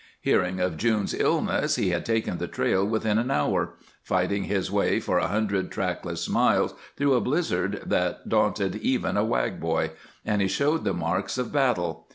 Hearing of June's illness, he had taken the trail within an hour, fighting his way for a hundred trackless miles through a blizzard that daunted even a Wag boy, and he showed the marks of battle.